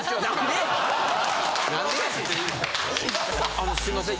あのすいません。